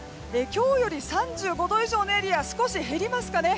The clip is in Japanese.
今日より３５度以上のエリアは少し減りますかね。